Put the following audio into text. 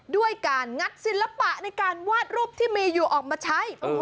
ด้วยการงัดศิลปะในการวาดรูปที่มีอยู่ออกมาใช้